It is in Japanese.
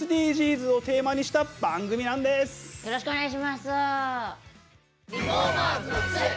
ＳＤＧｓをテーマにした番組なんです。